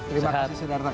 terima kasih sinar sinar